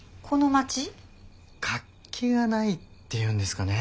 活気がないっていうんですかね。